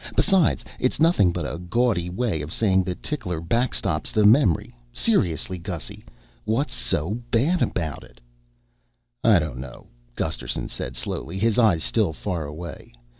Besides, it's nothing but a gaudy way of saying that Tickler backstops the memory. Seriously, Gussy, what's so bad about it?" "I don't know," Gusterson said slowly, his eyes still far away.